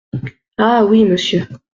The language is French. Ah ! oui, Monsieur.